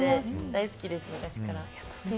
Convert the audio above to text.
大好きです、昔から。